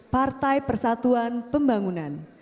partai persatuan pembangunan